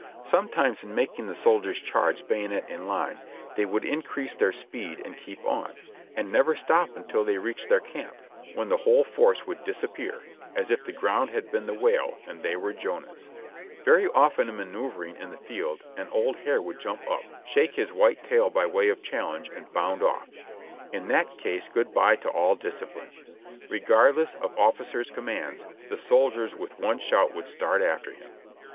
Sometimes in making the soldiers charge bayonet in line, they would increase their speed and keep on, and never stop until they reached their camp, when the whole force would disappear, as if the ground had been the whale and they were Jonahs, Very often in manoeuvring in the field an old hare would jump up, shake his white tail by way of challenge and bound off. In that case good by to all discipline. Regardless of officers' com mands, the soldiers with one shout would start after him.